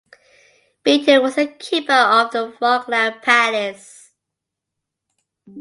Beaton was the keeper of Falkland Palace.